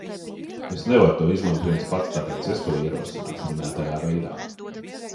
Es nevaru to izlemt viens pats, tāpēc es to ierosināšu minētajā veidā.